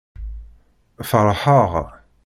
Feṛḥeɣ.